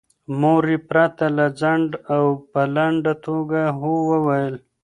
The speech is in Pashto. مور یې پرته له ځنډه او په لنډه توګه هو وویل.